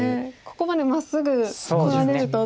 ここまでまっすぐこられると。